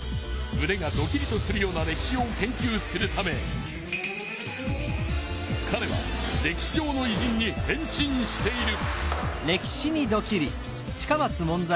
むねがドキリとするような歴史を研究するためかれは歴史上のいじんに変身している。